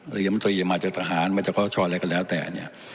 หรือมนตรีมาจากทหารมาจากเคราะห์ชรอะไรก็แล้วแต่เนี้ย